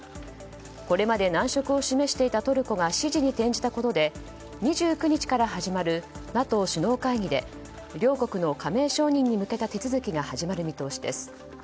これまで難色を示していたトルコが支持に転じたことで２９日から始まるＮＡＴＯ首脳会議で両国の加盟承認に向けた手続きが始まる見通しです。